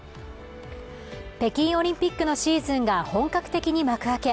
北京オリンピックのシーズンが本格的に幕開け。